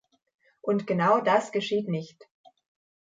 Und genau das geschieht nicht!